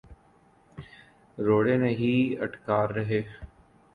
روڑے نہیں اٹکا رہے۔